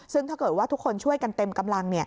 ซึ่งถ้าเกิดว่าทุกคนช่วยกันเต็มกำลัง